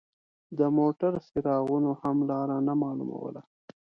د موټر څراغونو هم لار نه مالوموله.